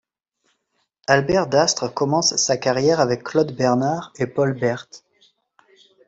Albert Dastre commence sa carrière avec Claude Bernard et Paul Bert.